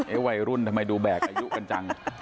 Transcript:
วัยรุ่นทำไมดูแบกอายุกันจัง